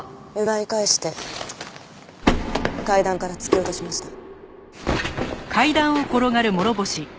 奪い返して階段から突き落としました。